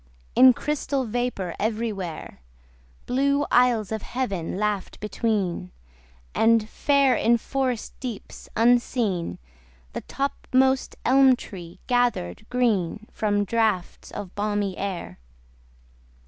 In crystal vapour everywhere Blue isles of heaven laugh'd between, And, far in forest deeps unseen, The topmost elm tree gather'd green From draughts of balmy air.